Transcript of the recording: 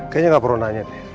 kayaknya gak perlu nanya